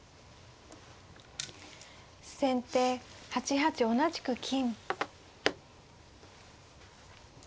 先手８八同じく金。